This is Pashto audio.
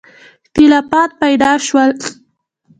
اختلافات پیدا شول.